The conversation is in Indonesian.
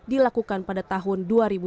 dilakukan pada tahun dua ribu dua puluh